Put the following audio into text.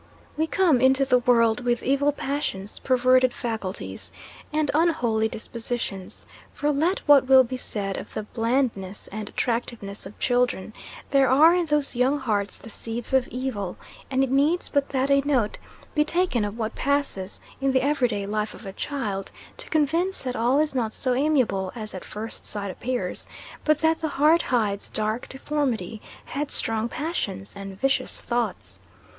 We come into the world with evil passions, perverted faculties, and unholy dispositions: for let what will be said of the blandness and attractiveness of children, there are in those young hearts the seeds of evil; and it needs but that a note be taken of what passes in the every day life of a child, to convince that all is not so amiable as at first sight appears, but that the heart hides dark deformity, headstrong passions, and vicious thoughts.